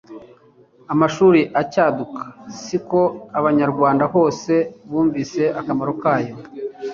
amashuri acyaduka si ko abanyarwanda hose bumvise akamaro kayo